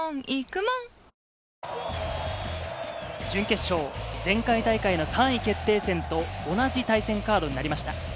準決勝、前回大会の３位決定戦と同じ対戦カードになりました。